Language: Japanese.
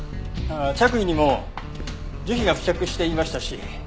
着衣にも樹皮が付着していましたし。